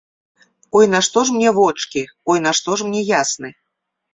Ой, нашто ж мне вочкі, ой, нашто ж мне ясны?